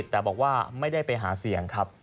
แต่บอกว่าไม่ได้ไปหาเสียงครับ